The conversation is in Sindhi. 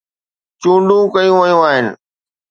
چونڊون ڪيون ويون آهن